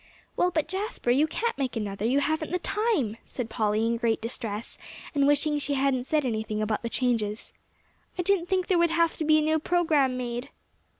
"Well, but Jasper, you can't make another; you haven't the time," said Polly in great distress, and wishing she hadn't said anything about the changes. "I didn't think there would have to be a new program made."